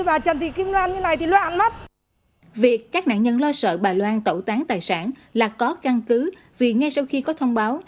việc các nạn nhân lo sợ bà loan tẩu tán tài sản là có căn cứ vì ngay sau khi có thông báo